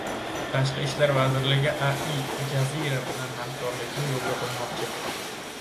Tashqi ishlar vazirligi Al Jazeera bilan hamkorlikni yo‘lga qo‘ymoqchi